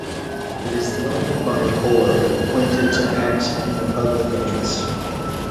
It is led by a board appointed to act in the public interest.